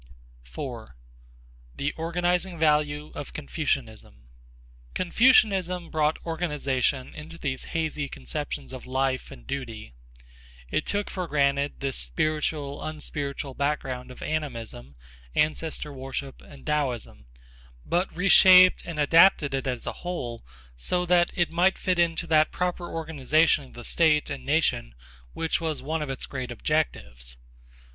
4. The Organizing Value of Confucianism Confucianism brought organization into these hazy conceptions of life and duty. It took for granted this spiritual unspiritual background of animism, ancestor worship and Taoism, but reshaped and adapted it as a whole so that it might fit into that proper organization of the state and nation which was one of its great objectives.